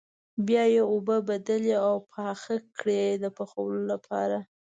بیا یې اوبه بدلې او پاخه کړئ د پخولو لپاره.